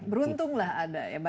beruntunglah ada ya